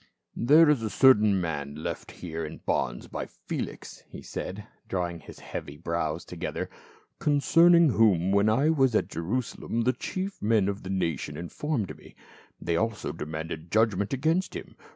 " There is a certain man left here in bonds by Felix," he said, drawing his heavy brows together, " concern ing whom, when I was at Jerusalem, the chief men of the nation informed me ; they also demanded judgment against him.